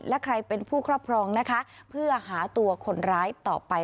และใครเป็นผู้ครอบครองนะคะเพื่อหาตัวคนร้ายต่อไป